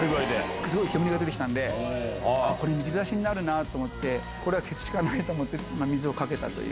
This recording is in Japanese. すごい煙が出てきたんで、これ、水浸しになるなと思って、これは消すしかないと思って、水をかけたという。